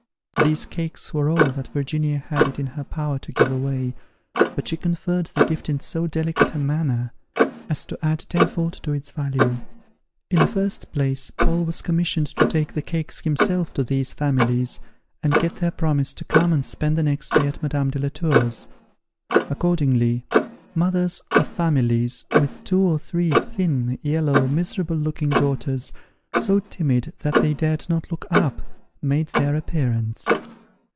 These cakes were all that Virginia had it in her power to give away, but she conferred the gift in so delicate a manner as to add tenfold to its value. In the first place, Paul was commissioned to take the cakes himself to these families, and get their promise to come and spend the next day at Madame de la Tour's. Accordingly, mothers of families, with two or three thin, yellow, miserable looking daughters, so timid that they dared not look up, made their appearance.